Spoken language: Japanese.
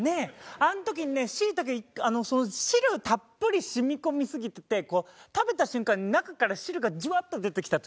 あの時にねしいたけ汁たっぷり染み込みすぎててこう食べた瞬間に中から汁がジュワッと出てきた時。